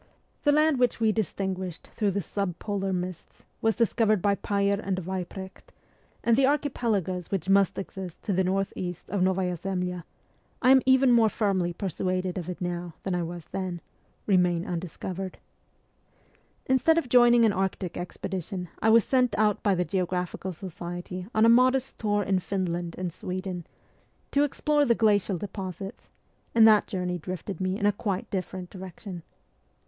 The land which we distinguished through the subpolar mists was discovered by Payer and Weyprecht, and the archipelagoes which must exist to the north east of ST. PETERSBURG 15 N6vaya Zemlya I am even more firmly persuaded of it now than I was then remain undiscovered. Instead of joining an Arctic expedition I was sent out by the Geographical Society on a modest tour in Finland and Sweden, to explore the glacial deposits ; and that journey drifted me in a quite different direction.